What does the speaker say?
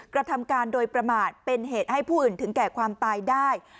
กระทำการโดยประมาทเป็นเหตุให้ผู้อื่นถึงแก่ความตายได้